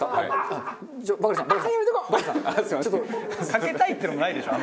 かけたいっていうのもないでしょ